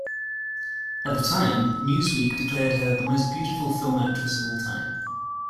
At the time, "Newsweek" declared her "the most beautiful film actress of all time.